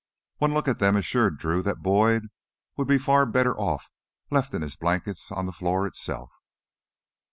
One look at them assured Drew that Boyd would be far better left in his blankets on the floor itself.